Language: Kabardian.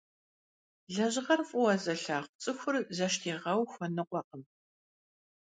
Лэжьыгъэр фӀыуэ зылъагъу цӀыхур зэштегъэу хуэныкъуэкъым.